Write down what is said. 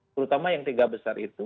terutama yang tiga besar itu